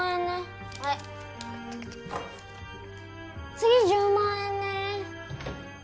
次１０万円ね。